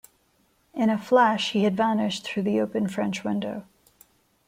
In a flash he had vanished through the open French window.